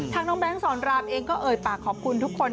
น้องแบงค์สอนรามเองก็เอ่ยปากขอบคุณทุกคน